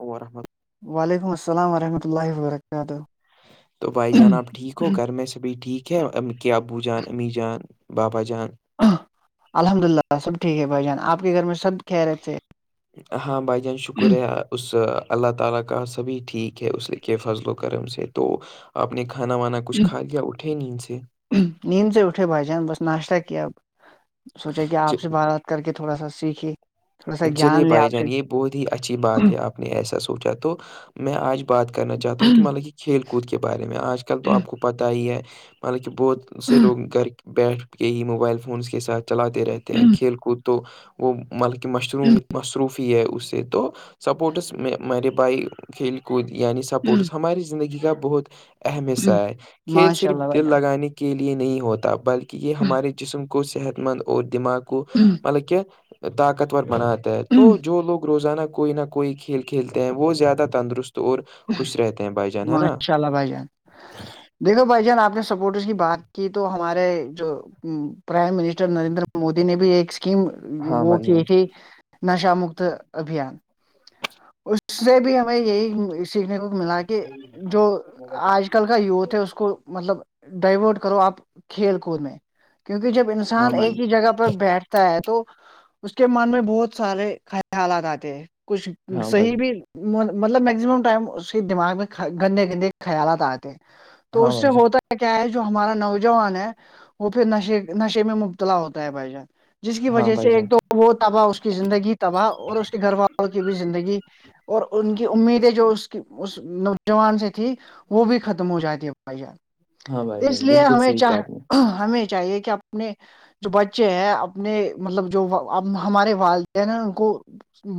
اورورحم وعلیکم السلام ورحمۃ اللہ وبرکاتہ تو بھائی جان آپ ٹھیک ہو گھر میں سے بھی ٹھیک کیا کیا ابو جان امی جان بابا جان الحمد اللہ سب ٹھیک ہے بھائی جان آپ کے گھر میں سب کھہ رہے تھے ہاں بھائی جان شکریہ اللہ تعالا کا سبھی ٹھیک ہے اس کے فضل و کرم سے تو آپ نے کھانا وانا کچھ کھا لیا اٹھے نہیں ان سے نیم سے اٹھے بھائی جان بس ناشتہ کیا سوچا کہ اپ سے بات کر کے تھوڑا سا سیکھیے چلیے بھائی جان یہ بہت ہی اچھی بات ہے آپ نے ایسا سوچا تو میں آج بات کرنا چاہتا ہوں کہ ملبگ یہ کھیل کود کے بارے میں آج کل تو آپ کو پتہ ہی ہے مطلب کہہ بہت سے لوگ گھر بیٹھ گئے موبائل فونس کے ساتھ چلاتے رہتے ہیں کھیل کود تو وہ مطلب کہ مشروم مصروف ہے اس سے تو سپورٹس میں میرے بھائی کھیل کود یعنی سپورٹس ہماری زندگی کا بہت اہم حصہ ہے کھیل ماشاء صرف اللہ بھائی دل جان لگانے کے لیے نہیں ہوتا بلکہ یہ ہمارے جسم کوو صحت مند اور دماغ کوو ہوں مط کہ طاقتور بنااتا ہے تو جو لوگ روزانہ کوئی نہ کوئی کھیل کھیلتے ہیں وہ زیادہ تندرست تو اور خوش رہتے ہیں بھائی جان ہے نا ماشاء اللہ بھائی جان دیکھو بھائی جان آپ نے سپورٹرس کی بات کی تو ہمارے جو پرائم منسٹر نریندر مودی نے بھی ایک اسکیم ہاں وہ بھائی کی جان تھی نشا مکت ابھیان اس سے بھی ہمیں یہی سیکھنے کو ملا کہ جو آج کل کا یوتھ ہے اس کو مطلب ڈائیورٹ کرو آپ کھیل کود میں کیونکہ جب ہاں انسان بھائی ایک ہی جگہ پر بیٹھ تو اس کے من میں بہت سارے خ حالات آتے ہیں کچھ ہاں بھائی صحی بھی مطلب میگزیمم ٹائم اس کے دماغ میں گندے گندے خیالات آتے ہیں تو ہاں اس سے بھائی جان ہوتا کیا ہے جو ہمارا نوجوان ہے وہ پھر نشے نشے میں مبتلا ہوتا ہے بھائی جان جس کی ہاں وجہ سے بھائی ایک جان تو وہ تباہ اس کی زندگی تباہ اور اس کے گھر والوں کی بھی زندگی اور ان کی امیدیں جو اس نوجوان سے تھی وہ بھی ختم ہو جاتی ہے بھائی جان ہاں بھائی اس جان لیے بالکل ہمیں صحیح کہا چاہ آپ نے ہمیں چاہیے کہ اپنے جو بچے ہیں اپنے مطلب جو ہمارے والدین ہیں ان کو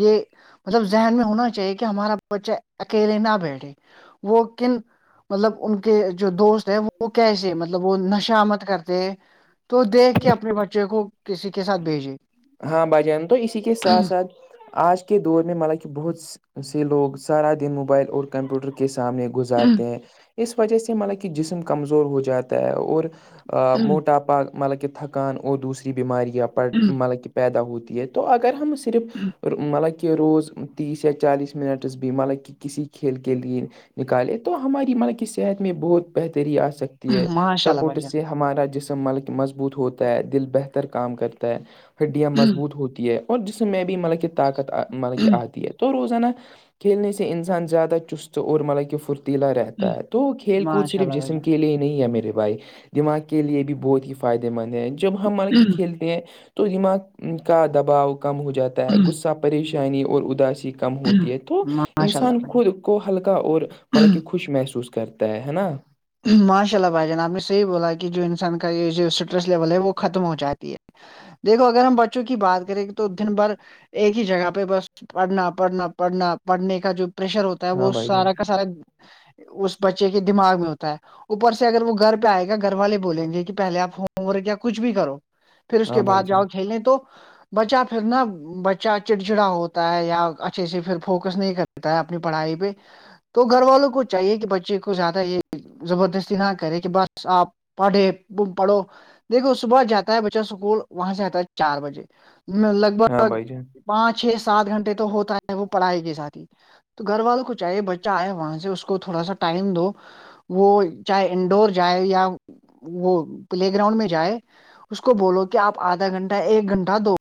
یہ مطلب ذہن میں ہونا چاہیے کہ ہمارا بچہ اکیلے نہ بیٹھے وہ کن مطلب ان کے جو دوست ہے وہ کیسے مطلب وہ نشامت کرتے تو دیکھ کے اپنے بچے کو کسی کے ساتھ بھیجے ہاں بجان تو اسی کے ساتھ ساتھ آج کے دور میں مال کہہ بہت سے لوگ سارا دن موبائل اور کمپیوٹر کے سامنے گزارتے ہیں اس وجہ سے مطلب کہ جسم کمزور ہو جاتا ہے اور موٹاپا مطلب کہہ تھکان اور دوسری بیماریا پ مطلب کہہ پیدا ہوتی ہے تو اگر ہم صرف مطلب کہ روز تیس یا چالیس منٹس بھی مطلب کہ کسی کھیل کے لیے نکالے تو ہماری ماں کی صحت میں بہت بہتری آ سکتی ہے ماشاء اللہ بھائی سپورٹ صحت ہمارا جسم مضبوط ہوتا ہے دل بہتر کام کرتا ہے ہڈیاں جان مضبوط ہوتی ہے اور جسم میں بھی مطلب کہ طاقت مطلب کہ آتی ہے تو روانہ کھیلنے سے انسان زیادہ چست اور مطلبکہ پرتی ی رہتا ہے تو کھیل کود ماشاء صرف اللہ بھائی جسم کے لیے ہی نہیں ہے میرے بھائی دماغ کے لیے بھی بہت ہی فائدے مند ہیں جب ہم مل کہ جان کھیلتے ہیں تو تو دماغ کا دباؤ کم ہو جاتا ہے غصہ پریشانی اور اداسی کم ہوتی ہے تو ماشاء انسان اللہ خود کو ہلکا اور مطلب کہ خوش محسوس کرتا تا ہے نا ماشاء اللہ بھائی جان آپ نے صحیح بولا کہ جو انسان کا یہ جو اسٹریس لیول ہے وہ ختم ہو جاتی ہے دیکھو اگر ہم بچوں کی بات کریں گے تو دن بھر ایک ہی جگہ پہ بس پڑھنا پڑھنا پڑھنا پڑھنے کا جو پریشر ہوتا ہوتا ہے ہاں وہ بھائی جان سارا کا سارا اس بچے کے دماغ میں ہوتا اوپر سے اگر وہ گھر پہ آئے گا گھر والے بولیں گے کہ پہلے آپ ہوم ورک یا کچھ بھی کرو پھر اس کے ہاں بھائی بعد جان جاؤ کھیلنے تو بچہ پھر نا بچہ چڑچڑا ہوتا ہے یا اچھے سے پھر فوکس نہیں کرتا تا اپنی پڑھائی پہ تو گھر والوں کو چاہیے کہ بچے کو زیادہ یہ زبردستی نہ کرے کہ بس آپ پڑھے پڑھو دیکھو صبح جاتا ہے بچہ اسکول وہاں سے آتا ہے چار بجے میں لگ ہاں بھگ بھائی جان پانچ چھ سات گھنٹے تو ہوتا ہے وہ پڑھائی کے ساتھ ہی تو گھر والوں کو چاہے بچہ آئے وہاں سے اس کو تھوڑا سا ٹائم دو وہ چاہے انڈور جائے یا وہ پلے گراؤنڈ میں جائے اس کو بولو کہ آپ آدھا گھنٹہ ایک گھنٹہ دو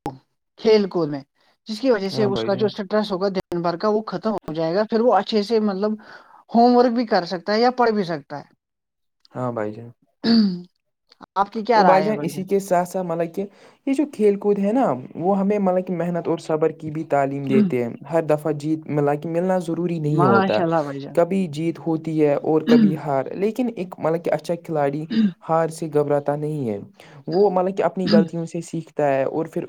کھیل کود میں جس کی وجہ سے ہاں اس بھائی کا جو جان ہوگا د بھر کا وہ ختم ہو جائے گا پھر وہ اچھے سے مطلب ہوم ورک بھی کر سکتا ہے یا پڑھ بھی سکتا ہے ہاں بائی جان ہ توو بائی جان اسی کےے ساتھ ساتھ مطلب کہ یہ جو کھیل کود ہے نا وہ ہمیں مطلب کہ محنت اور صبر کی بھی تعلیم جان دیتے ہیں ہر دفعہ جیت ملا کے ملنا ضروری نہیں ہوتا ماشاء اللہ بھائی جان کبھی جیت ہوتی ہے اور کبھی ہار لیکن ایک مطلب کہ اچھا کھلاڑی ہار سے گھبراتا نہیں ہے وہ مطلب کہ اپنی غلطیوں سے سیکھ ہے اور پھر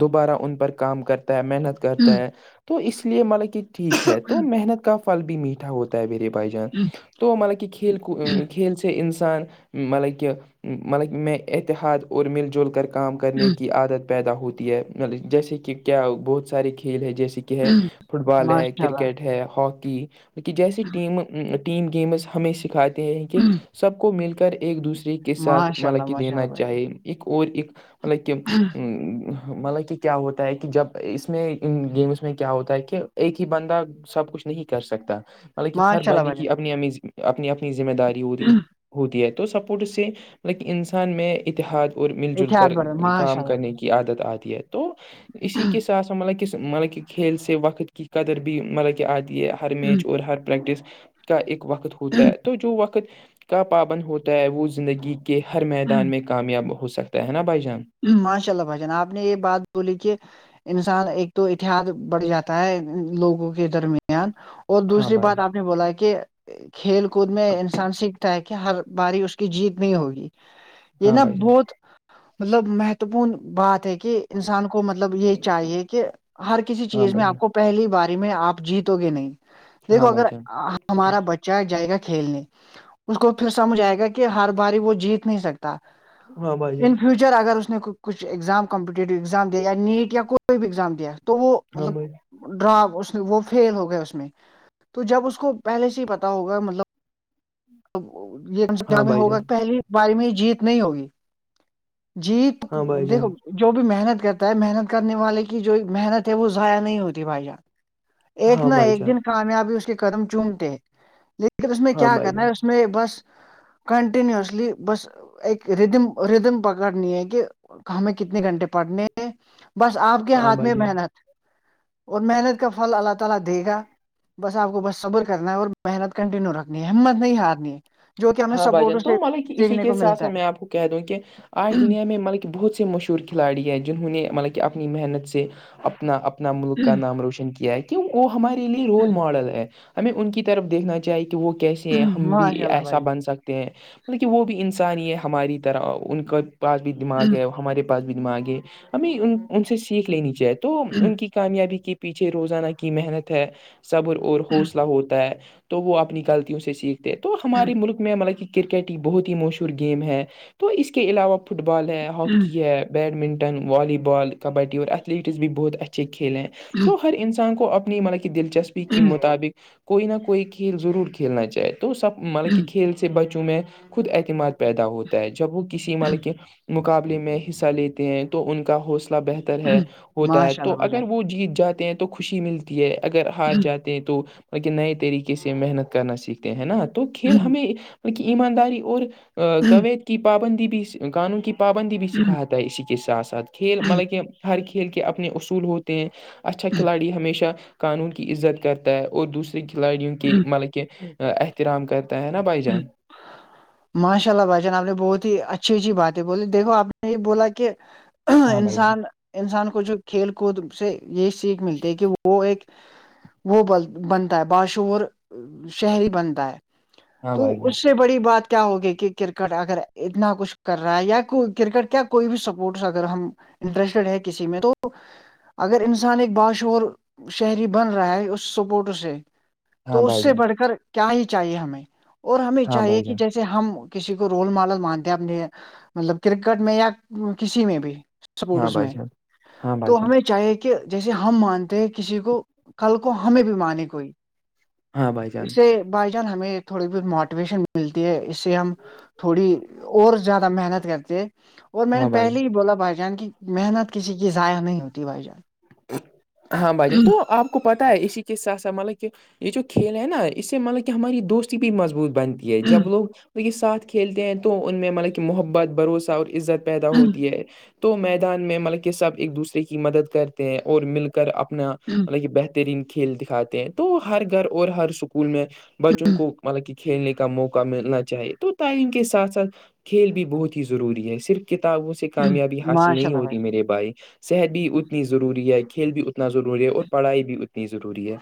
دوبارہ ان پر کام کرتا ہے محنت کرتا ہے تو اس لیے مطلب کہ ٹھیک ہے تو محنت کا پھل بھی میٹھا ہوتا ہے اویلیبل پائ جان تو مطلب کہ کھیل کود کھیل سے انسان مطلب کہ مطلب میں اتحاد اور مل جل کر کام کرنے کی عادت پیدا ہوتی ہے جیسے کہ کیا بہت سارے کھیل ہیں جیسے کہ ہے فٹ بال ہے ماشاء اللہ کرکٹ ہے ہاکی مط جیسی ٹیم ٹیم گیمز ہمیں سکھاتے ہیں کہ سب کو مل کر ایک دوسرے کے ساتھ ماشاء اللہ مطلب کہ ماشاء دینا اللہ بھائی چاہی ایک اور ایک مطلب کہ جان ا مطلب کہ کیا ہوتا ہے کہ جب اس میں ان گیمس میں کیا ہوتا ہے کہ ایک ہی بندہ سب کچھ نہیں کر سکتا مطلب کہ ہر ماشاء اللہ بندے بھائی کی اپنی ا اپنی اپنی ذمہ داری ہوتی جان ہوتی ہے تو سپورٹ سے مطل انسان میں اتحاد اور مل جل اتحاد کر بڑھ ماشاء کام اللہ کرنے کی عادت آتی ہے تو اسی کے سات س مطلب کہ مطلب کہ کھیل سے وقت کی قدر بھی مطلب کہ آد یہ ہر میچ اور ہر پریکٹس کا ایک وقت ہوتا ہے تو جو وقت کا پابند ہوتا ہے وہ زندگی کے ہر میدان میں کامیاب ہو سکتا ہے نا بھائی جان ماشاء اللہ بھائی جان آپ نے یہ بات بولی کہ انسان ایک تو اتحاد بڑھ جاتا ہے لوگوں کے درمیان اور ہاں دوسری بھائی بات آپ نے بولا ہے کہ کھیل کود میں انسان سیکھتا ہے کہ ہر باری اس کی جیت نہیں ہوگی یہ ہاں نا بھائی جان بہت مطلب مہتوپورن بات ہے کہ انسان کو مطلب یہ چاہیے کہ ہر کسی ہاں چیز میں بھائی آپ جان کو پہلی باری میں آپ جیتو گے نہیں دیکھو ہاں بھائی اگر جان آ ہمارا بچہ جائے گا کھیلنے اس کو پھر سمجھ آئے گا کہ ہر باری وہ جیت نہیں سکتا ہاں بھائی جان ان فیوچر اگر اس نے کچھ ایگزام کمپٹیو ایگزام دیا یا نیٹ یا کوئی بھی ایگزام دیا تو وہ ہاں مطلب بھائی ڈرا اس وہ فیل ہو گیا اس میں تو جب اس کو پہلے سے ہی پتا ہوگا مطلب یہ ہاں بھائی ہوگا جان پہلی بار میں جیت نہیں ہوگی جی ہاں بھائی دیکھو جان جو بھی محنت کرتا ہے محنت کرنے والے کی جو محنت ہے وہ ضائع نہیں ہوتی بھائی جان ایک ہاں نہ بھائی ایک جان دن کامیابی اس کے قدم چومتے لیکن اس میں ہاں کیا بھائی کرنا جان ہے میں بس کنٹنیسلی بس اک ردم ردم پکڑنی ہے کہ ہمیں کتنے گھنٹے پڑنے بس آپ کے ہاں ہاتھ بھائی میں جان محنت اور محنت گا بس آپ کو بس صبر کرنا ہے اور محنت کنٹینیو رکھنی ہے ہمت نہیں ہارنی ہے جو کہ ہمیں ہاں بھائی جان سپورٹ تو سے مطلب اسی سیکھنے کے کو ساتھ ملتا ساتھ ہے میں آپ کو کہ دوں کہ آج دنیا میں ملک کہ بہت سے مشہور کھلاڑی ہیں جنہوں نے مطلب کہ اپنی محنت سے اپنا اپ اپنا ملک کا نام روشن کیا ہے کی وہ ہمارے لیے رول ماڈل ہے ہمیں ان کی طرف دیکھنا جائے کہ وہ کیسے ہیں ہم بھی ماشاء اللہ ایسا بھائی بن سکتے ہیں مطلب کہ وہ بھی انسانی ہے ہماری طرح ان کا پاس بھی دماغ ہے جان۔ ہمارے پ پس بھی دم آ گے ہمیں ان سے سیکھ لینی چاہے تو ان کی کامیابی کے پیچھے روزانہ کی محنت ہے صبر اور حوصلہ ہوتا ہے تو وہ اپنی غلطیوں سے سیکھتے تو ہمارے ملک میں مطلب کہ کرکٹ ایک بہت ہی مشہور گیم ہے تو اس کے علاوہ فٹ بال ہے ہاکی ہے بیڈمنٹن والی بال کبڈی اور ایتھلیٹس بھی بہت اچھے کھیلے ہیں تو ہر انسان کو اپ مط کی دلچسپی کے مطابق کوئی نہ کوئی کھیل ضرور کھیلنا چاہے تو سب مطلب کھیل سے بچوں میں خود اعتماد پیدا ہوتا ہے جب وہ کسی مطلب کے مقابلے میں حصہ لیتے ہیں تو ان کا حوصلہ بہتر ہے ہوتا ہے ماشاء اللہ تو بھجن اگر وہ جیت جاتے ہیں تو خوشی ملتی ہے اگر ہات جاتے تو کہ نئے طریقے سے محنت کرنا سیکھتے ہیں ہے نا تو کھیل ہمیں کی ایمانداری اور کویت کی پابندی بھی قانون کی پابندی بھی سکھاتا ہے اسی کے ساتھ ساتھ کھیل مطلب کہ ہر کھیل کے اپنے اصول ہوتے ہیں اچھا کھلاڑی ہمیشہ قانون کی عزت کرتا ہے اور دوسرا کھلاڑی کی مطلب کہ احترام کرتا ہے نا بائی جان ماشاء اللہ بھائی جان آپ نے بہت ہی اچھی اچھی باتیں بولے دیکھو آپ نے یہ بولا کہ ہاں بھائی جان انسان انسان کو جو کھیل کود سے یہ سیکھ ملتی ہے کہ وہ ایک وہ بنتا ہے باشعور شہری بنتا ہے ہاں تو بھائی جان اس سے بڑی بات کیا ہوگی کہ کرکٹ اگر اتنا کچھ کر رہا ہے یا کرکٹ کیا کوئی بھی سپورٹس اگر ہم انٹرسٹیڈ ہے کسی میں تو اگر انسان ایک باشعور شہری بن رہا ہے اس سپورٹ سے ہاں تو اس بھائی سے جان بڑھ کر کیا ہی چاہیے ہمیں اور ہمیں ہاں چاہیے بھائی کہ جان جیسے ہم کسی کو رول ماڈل مانتے ہیں اپنے مطلب کرکٹ میں یا کسی میں بھی ہاں سپورٹس بھائی میں جان ہاں بھائی تو جان ہمیں چاہیے کہ کہ جیسے ہم مانتے ہیں کسی کو کل کو ہمیں بھی مان کوئی ہاں بھائی جان اس سے بائی جان ہمیں تھوڑی بہت موٹیویشن ملتی ہے اس سے ہم تھوڑی اور زیادہ محنت کرتے اور میں نے ہاں بھائی پہلے ہی بولا بھائی جان کی محنت کسی کی ضائع نہیں ہوتی بھائی جان ہاں بھائی جان تو آپ کو پتتا ہے اسی کے س س مطلب کہ یہ جو کھیل ہے نا اس سے مطلب کہ ہماری دوستی بھی مضبوط بنتی یہ جب لوگ یہ ساتھ کھیلتے ہیں تو ان میں مطلب کہ محبت بھروسہ اور عزت پیدا جان ہوتی ہے تو میدان میں مطلب کہ سب ایک دوسرے کی مدد کرتے ہیں اور مل کر کر اپنا مطلب یہ بہترین کھیل دکھاتے ہیں تو ہر گھر اور ہر اسکول میں بچوں کو مطلب کہ کھیلنے کا موقع ملنا چاہیے تو تعلیم کے ساتھ ساتھ کھیل بھی بہت ہی ضروری ہے صرف کتابوں سے کامیابی حاصل ماشاء نہیں اللہ بھائی ہوتی جان میرے بھائی صحت بھی اتنی ضروری ہے کھیل بھی اتنا نا ضروری ہے اور پڑھائی بھی اتنی ضروری ہے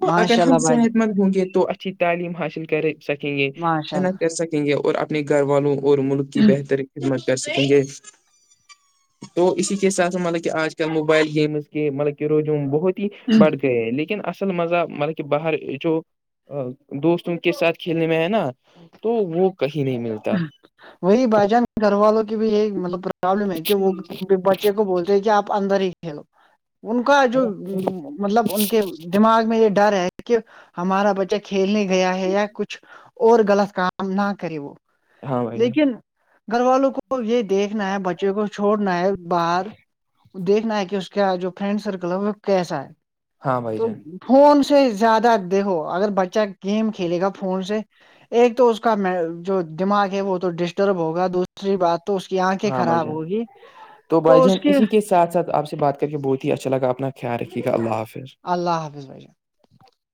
تو اگر ماشاء ہم اللہ بھائی صحت جان مند ہوں گے تو اچھی تعلیم حاصل کر سکیں گے ماشاء محنت کر سکیں گے اور اپنے گھر والوں اور ملک کی اللہ بہتر خدمت کر سکیں گے تو اسی کے ساتابھ سے مطلب کہ آج کل لوگ موبائل گیمز کے مطلب رووم بہت ہیڑھ لیکن اصل مزہ مطلب کہ باہر جو دوست ان کے ساتھ کھیلنے میں ہےئے نا تو وہ کہیں نہیں ملتا وہی ب جان گھر والوں کی بھی یہی مطلب پرابلم ہے کہ وہ بچے کو بولتے ہیں کہ آپ اندر ہی کھیلو ان کا جو مطلب ان کے دماغ میں یہ ڈر ہے کہ ہمارا بچہ کھیلنے گیا ہے یا کچھ اور غلط کام نہ کرے وہ ہاں بھائی جان لیکن گھر والوں کو یہ دیکھنا ہے بچے کو چھوڑنا ہے باہر دیکھنا ہے کہ اس کا جو فرینڈ سرکل ہے وہ کیسا ہے ہاں بھائی تو جان فون سے زیادہ دیکھو اگر بچہ گیم کھیلے گا فون سے ایک تو اس کا جو دماغ ہے وہ تو ڈسٹرب ہوگا دوسری بات تو اس کی آنکھیں ہاں بھائی خراب جان ہوگی بھائی تو جان اس کی اسی کے ساتھ سات آپ سے بات کر کے بہت ہی اچھا لگا اپنا خیال رکےا اللہ حافظ اللہ حافظ بھا